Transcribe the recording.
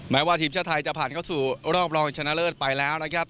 แม้ว่าทีมชาติไทยจะผ่านเข้าสู่รอบรองชนะเลิศไปแล้วนะครับ